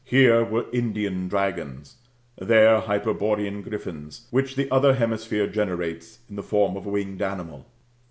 Here were Indian dragons, there Hyperborean griffins, which the other hemisphere generates in the form of a winged animal.